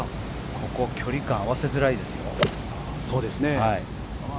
ここ距離感合わせづらいですよ。